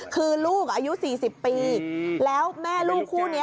คือลูกอายุ๔๐ปีแล้วแม่ลูกคู่นี้